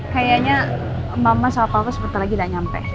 kayaknya mama sama pak al ke sebentar lagi gak nyampe